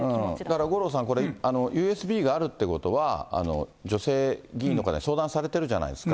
だから五郎さん、ＵＳＢがあるっていうことは、女性議員の方に相談されてるじゃないですか。